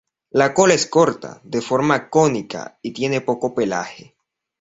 La cola es corta, de forma cónica y tiene poco pelaje.